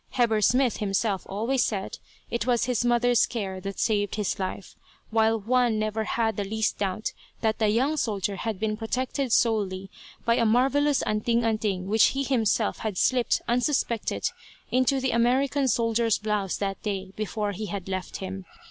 Heber Smith himself always said it was his mother's care that saved his life, while Juan never had the least doubt that the young soldier had been protected solely by a marvellous "anting anting" which he himself had slipped unsuspected into the American soldier's blouse that day, before he had left him.